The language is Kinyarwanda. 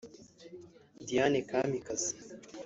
Dianne Kamikazi